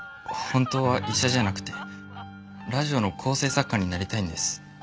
本当は医者じゃなくてラジオの構成作家になりたいんです。